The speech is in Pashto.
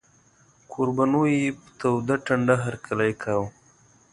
کوربنو یې په توده ټنډه هرکلی کاوه.